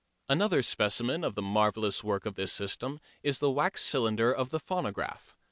Another specimen of the marvellous work of this system is the wax cylinder of the phonograph.